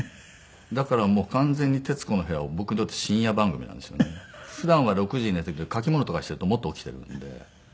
だから完全に『徹子の部屋』は僕にとって深夜番組なんですよね。普段は６時に寝ているけど書き物とかしているともっと起きているんで。